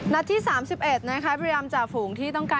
นัดที่สามสิบเอ็ดนะคะเบรียร์อยจากฝูงที่ต้องการ